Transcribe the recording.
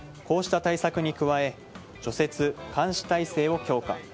こうした対策に加え除雪、監視体制を強化。